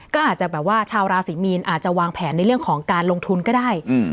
ก็อาจจะแบบว่าชาวราศรีมีนอาจจะวางแผนในเรื่องของการลงทุนก็ได้